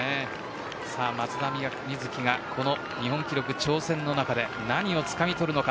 松田瑞生が日本記録挑戦の中で何をつかみ取るのか。